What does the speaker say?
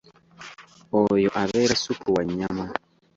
Oyo abeera ssupu wa nnyama.